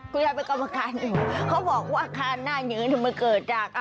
คุณยายเป็นกรรมการอยู่เขาบอกว่าอาคารหน้าอย่างนี้มันเกิดจาก